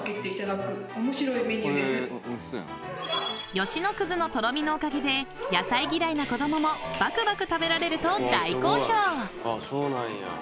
［吉野葛のとろみのおかげで野菜嫌いな子供もばくばく食べられると大好評］